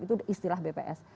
itu istilah bps